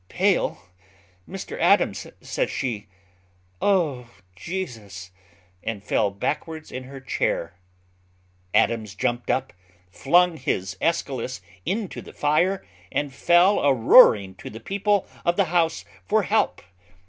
"Pale! Mr Adams," says she; "O Jesus!" and fell backwards in her chair. Adams jumped up, flung his Aeschylus into the fire, and fell a roaring to the people of the house for help.